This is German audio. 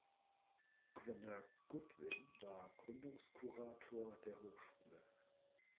Gouverneur Godwin war Gründungskurator der Hochschule.